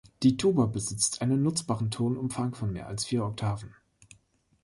Die Tuba besitzt einen nutzbaren Tonumfang von mehr als vier Oktaven.